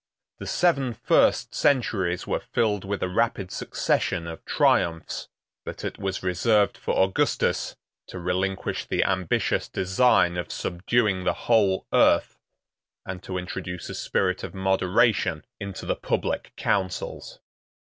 The seven first centuries were filled with a rapid succession of triumphs; but it was reserved for Augustus to relinquish the ambitious design of subduing the whole earth, and to introduce a spirit of moderation into the public councils.